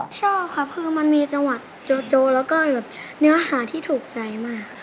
ชอบค่ะคือมันมีจังหวะโจโจแล้วก็แบบเนื้อหาที่ถูกใจมาก